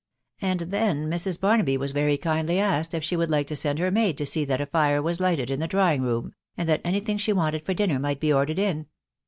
And then Mrs. Barnaby was very kindly asked if she would not like to send her maid to see that a fire was lighted in the drawing room, and that any thing she wanted for dinner might be ordered in